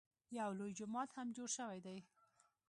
یو لوی جومات هم جوړ شوی دی.